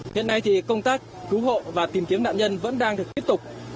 hiện nay thì công tác cứu hộ và tìm kiếm nạn nhân vẫn đang được tiếp tục